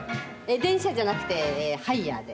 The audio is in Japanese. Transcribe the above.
電車じゃなくてハイヤーで。